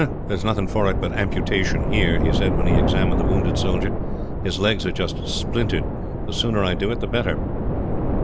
"There's nothing for it but amputation here," he said when he examined the wounded soldier. "His legs are just splintered. The sooner I do it the better."